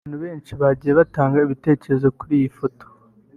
Abantu benshi bagiye batanga ibitekerezo kuri iyi foto